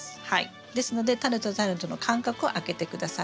ですのでタネとタネとの間隔を空けて下さい。